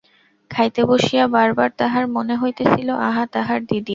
খাইতে বসিয়া বার বার তাহার মনে হইতেছিল, আহা, তাহার দিদি।